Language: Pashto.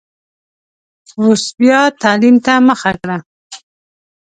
اوس بیا تعلیم ته مخه کړه.